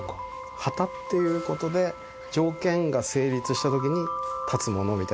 「旗」っていうことで条件が成立した時に立つものみたい。